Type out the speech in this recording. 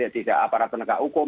di aparat penegak hukum